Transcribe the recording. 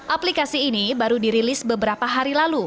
aplikasi ini baru dirilis beberapa hari lalu